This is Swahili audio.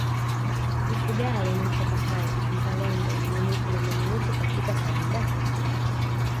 Mfugale ni mchapakazi mzalendo mbunifu na mwaminifu katika kazi zake